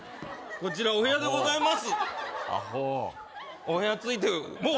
こちらお部屋でございます